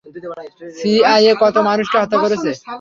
CIA কত মানুষকে হত্যা করেছে?